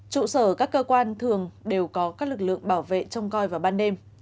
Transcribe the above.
trụ sở các cơ quan thường đều có các lực lượng bảo vệ trông coi vào ban đêm